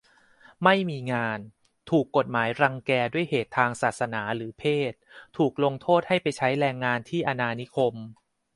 ไม่มีงาน ถูกกฎหมายรังแกด้วยเหตุทางศาสนาหรือเพศ ถูกลงโทษให้ไปใช้แรงงานที่อาณานิคม